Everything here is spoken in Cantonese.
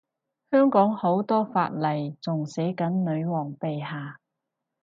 香港好多法例仲寫緊女皇陛下